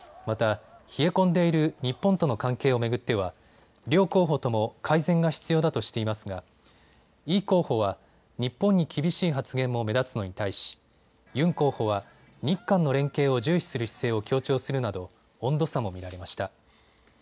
また、冷え込んでいる日本との関係を巡っては両候補とも改善が必要だとしていますがイ候補は日本に厳しい発言も目立つのに対しユン候補は日韓の連携を重視する姿勢を強調するなど温度差も見られました。